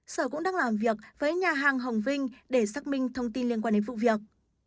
sở cũng đang làm việc với nhà hàng hồng vinh để xác minh thông tin liên quan đến vụ việc